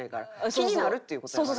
気になるっていう事やからな。